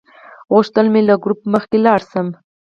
غوښتل مې له ګروپ مخکې لاړ شم.